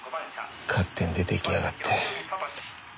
勝手に出て行きやがって。